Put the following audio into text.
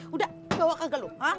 udah bawa ke gelung